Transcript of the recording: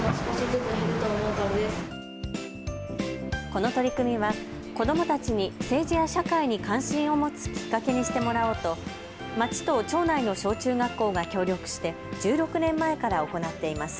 この取り組みは子どもたちに政治や社会に関心を持つきっかけにしてもらおうと町と町内の小中学校が協力して１６年前から行っています。